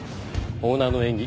オーナーの演技